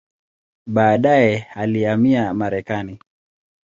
Baadaye alihamia Marekani.